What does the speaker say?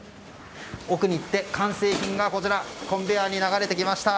奥に行って完成品がコンベヤーに流れてきました。